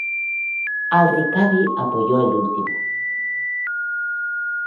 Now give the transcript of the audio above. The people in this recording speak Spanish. Al-Rikabi apoyó el último.